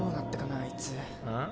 あいつうん？